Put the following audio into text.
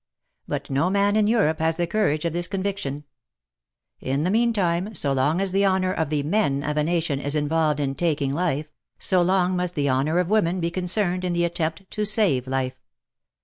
But no man in Europe has the courage of this con viction. In the meantime, so long as the honour of the men of a nation is involved in taking life, so long must the honour of women be concerned in the attempt to save life.